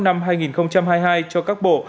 năm hai nghìn hai mươi hai cho các bộ